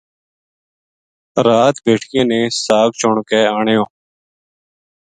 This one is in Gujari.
رات بیٹکیاں نے ساگ چُن کے آنیو